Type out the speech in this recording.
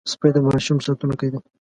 سپي د ماشوم ساتونکي دي.